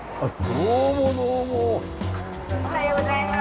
おはようございます。